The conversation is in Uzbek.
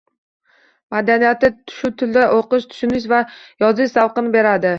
Madaniyatini, shu tilda oʻqish, tushunish va yozish zavqini beradi